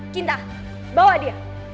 kinta bawa dia